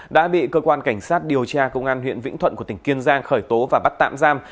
đã bị cơ quan cảnh sát điều tra công an huyện vĩnh thuận của tỉnh kiên giang khởi tố và bắt tạm giam